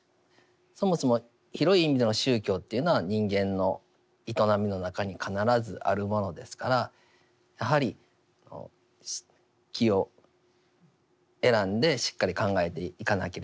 そもそも広い意味での宗教というのは人間の営みの中に必ずあるものですからやはり機を選んでしっかり考えていかなければならない。